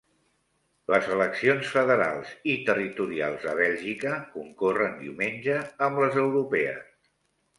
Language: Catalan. Les eleccions federals i territorials a Bèlgica concorren diumenge amb les europees